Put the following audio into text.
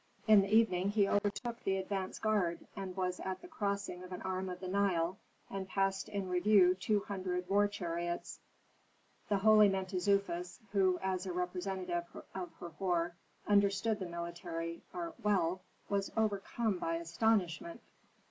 In the evening he overtook the advance guard, was at the crossing of an arm of the Nile, and passed in review two hundred war chariots. The holy Mentezufis, who, as a representative of Herhor, understood the military art well, was overcome by astonishment.